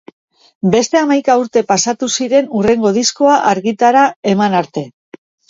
Beste hamaika urte pasatu ziren hurrengo diskoa argitara eman arte.